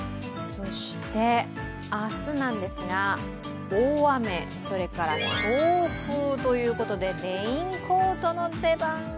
明日なんですが、大雨、それから強風ということでレインコートの出番。